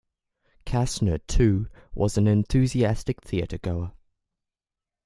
Kassner, too, was an enthusiastic theater-goer.